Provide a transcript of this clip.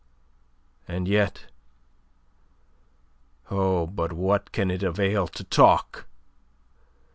And yet... Oh, but what can it avail to talk!